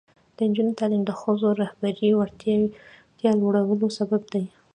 د نجونو تعلیم د ښځو رهبري وړتیا لوړولو سبب دی.